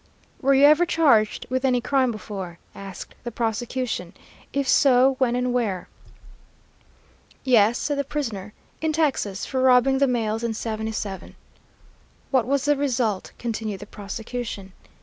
"'Were you ever charged with any crime before?' asked the prosecution. 'If so, when and where?' "'Yes,' said the prisoner, 'in Texas, for robbing the mails in '77.' "'What was the result?' continued the prosecution.